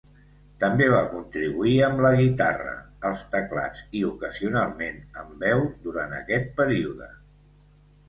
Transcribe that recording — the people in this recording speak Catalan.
També va contribuir amb la guitarra, els teclats i, ocasionalment, amb veu durant aquest període.